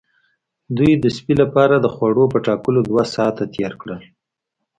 دوی د سپي لپاره د خوړو په ټاکلو دوه ساعته تیر کړل